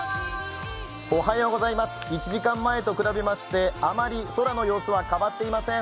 １時間前と比べましてあまり空の様子は変わっていません。